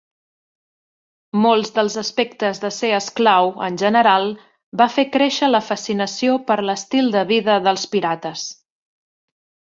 Molts dels aspectes de ser esclau, en general, va fer créixer la fascinació per l'estil de vida dels pirates.